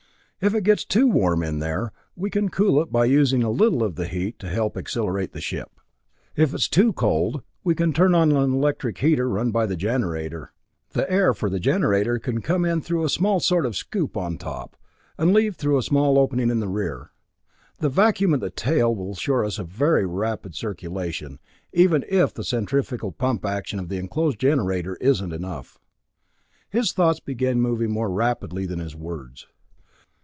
If it gets too warm in there, we can cool it by using a little of the heat to help accelerate the ship. If it is too cold, we can turn on an electric heater run by the generator. The air for the generator can come in through a small sort of scoop on top, and leave through a small opening in the rear. The vacuum at the tail will assure us a very rapid circulation, even if the centrifugal pump action of the enclosed generator isn't enough." His thoughts began moving more rapidly than his words.